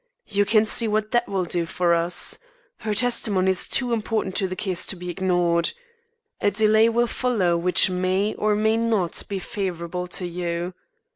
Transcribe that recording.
You can see what that will do for us. Her testimony is too important to the case to be ignored. A delay will follow which may or may not be favourable to you.